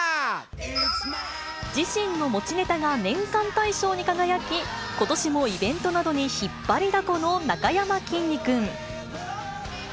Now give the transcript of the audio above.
自身の持ちネタが年間大賞に輝き、ことしもイベントなどに引っ張りだこのなかやまきんに君。